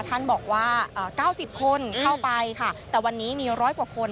ท่านบอกว่า๙๐คนเข้าไปค่ะแต่วันนี้มีร้อยกว่าคน